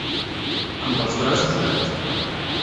Amb els braços oberts.